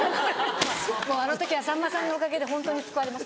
もうあの時はさんまさんのおかげで本当に救われました。